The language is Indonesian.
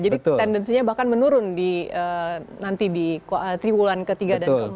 jadi tendensinya bahkan menurun di nanti di triwulan ke tiga dan ke empat